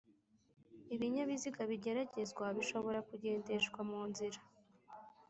Ibinyabiziga bigeragezwa bishobora kugendeshwa mu nzira